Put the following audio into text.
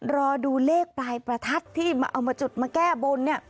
รอดูเลขปลายประทัดที่เอามาจุดมาแก้บนเนี่ย